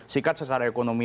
sikat secara ekonomi